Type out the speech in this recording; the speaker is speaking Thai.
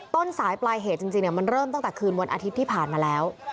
ต้นสายปลายเหตุจริงมันเริ่มตั้งแต่คืนวันอาทิตย์ที่ผ่านมาแล้ว